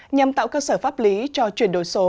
nhằm tạo cơ sở pháp lý cho chuyển đổi số